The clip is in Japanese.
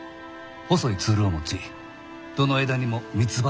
細いツルを持ちどの枝にも三葉の葉が出る。